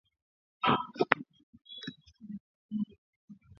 Kiwango cha maambukizi ya ugonjwa wa kuoza kwato katika kundi la mifugo